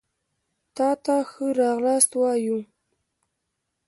تاته ښه راغلاست وايو